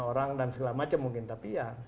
orang dan segala macam mungkin tapi ya